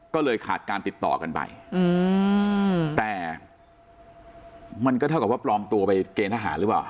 ก็เลยขาดการติดต่อกันไปแต่มันก็เท่ากับว่าปลอมตัวไปเกณฑ์ทหารหรือเปล่า